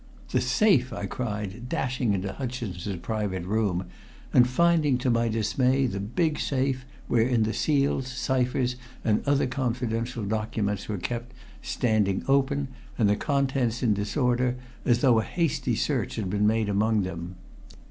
"The safe!" I cried, dashing into Hutcheson's private room, and finding to my dismay the big safe, wherein the seals, ciphers and other confidential documents were kept, standing open, and the contents in disorder, as though a hasty search had been made among them.